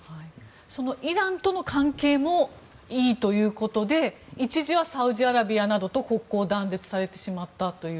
そのイランとの関係もいいということで一時はサウジアラビアなどと国交断絶されてしまったという。